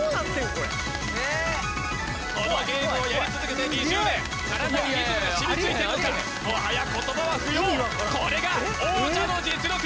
これこのゲームをやり続けて２０年体にリズムが染みついているのかもはや言葉は不要これが王者の実力だ！